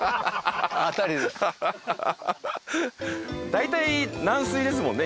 大体軟水ですもんね